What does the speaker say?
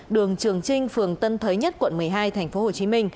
đường trường trinh phường tân thới nhất quận một mươi hai tp hcm